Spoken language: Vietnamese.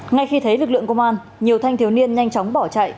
ngay khi thấy lực lượng công an nhiều thanh thiếu niên nhanh chóng bỏ chạy